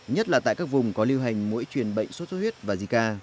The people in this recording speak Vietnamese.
nhất là tại các vùng có lưu hành mũi truyền bệnh sốt xuất huyết và zika